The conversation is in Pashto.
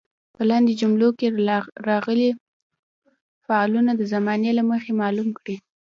په لاندې جملو کې راغلي فعلونه د زمانې له مخې معلوم کړئ.